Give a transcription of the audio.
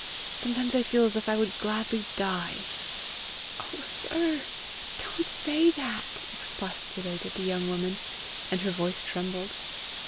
Sometimes I feel as if I would gladly die." "Oh, sir! don't say that!" expostulated the young woman, and her voice trembled.